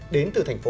đến từ tp hcm